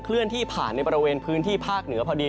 เลื่อนที่ผ่านในบริเวณพื้นที่ภาคเหนือพอดี